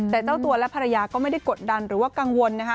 แต่เจ้าตัวและภรรยาก็ไม่ได้กดดันหรือว่ากังวลนะคะ